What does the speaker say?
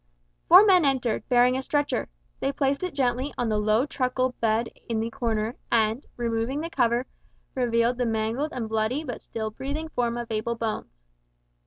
Four men entered, bearing a stretcher. They placed it gently on the low truckle bed in the corner, and, removing the cover, revealed the mangled and bloody but still breathing form of Abel Bones.